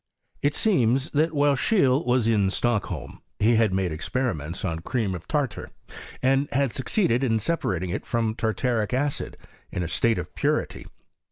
It seems, that while Seheele was in Stockholm, I had made experiments on cream of tartar, and had. succeeded in separating from it tartaric acid, in a state of purity.